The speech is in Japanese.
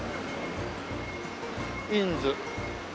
インズ。